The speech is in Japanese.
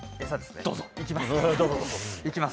どうぞ。